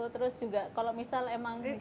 terus juga kalau misal emang